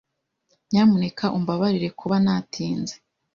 Nyamuneka umbabarire kuba natinze.